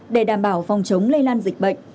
để đảm bảo phòng chống lây lan dịch bệnh